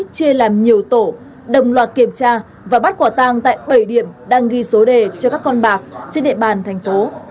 chê làm nhiều tổ đồng loạt kiểm tra và bắt quả tang tại bảy điểm đang ghi số đề cho các con bạc trên địa bàn thành phố